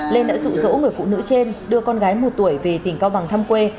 lên đã rụ rỗ người phụ nữ trên đưa con gái một tuổi về tỉnh cao bằng thăm quê